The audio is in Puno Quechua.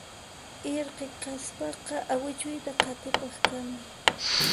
Irqi kaspaqa awichuyta qatipaq kani